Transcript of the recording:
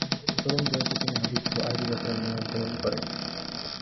তরুণ বয়সে তিনি হাদিস ও আরবি ব্যাকরণ নিয়ে অধ্যয়ন করেন।